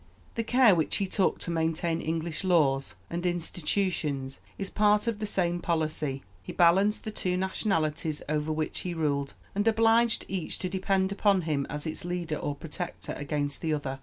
The care which he took to maintain English laws and institutions is part of the same policy. He balanced the two nationalities over which he ruled, and obliged each to depend upon him as its leader or protector against the other.